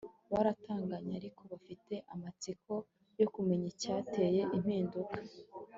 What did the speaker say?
baratangaye ariko bafite amatsiko yo kumenya icyateye impinduka